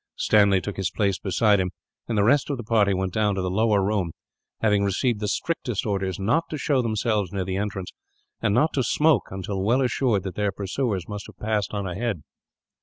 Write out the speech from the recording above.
Stanley took his place beside him, and the rest of the party went down to the lower room; having received the strictest orders not to show themselves near the entrance, and not to smoke until well assured that their pursuers must have passed on ahead.